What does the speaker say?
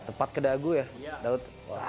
tepat ke dagu ya daun